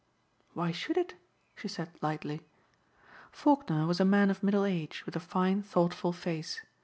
"Why should it?" she said lightly. Faulkner was a man of middle age with a fine thoughtful face.